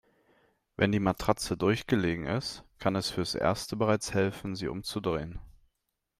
Wenn die Matratze durchgelegen ist, kann es fürs Erste bereits helfen, sie umzudrehen.